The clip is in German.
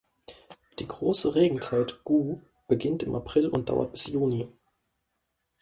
Die große Regenzeit "Gu" beginnt im April und dauert bis Juni.